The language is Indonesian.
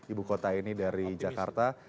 ibu kota ini dari jakarta